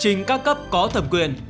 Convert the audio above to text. chính các cấp có thẩm quyền